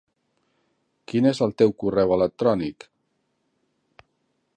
Quin és el teu correu electrònic?